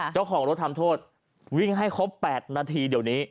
เจ้าของรถทำโทษวิ่งให้ครบ๘นาทีเดี๋ยวนี้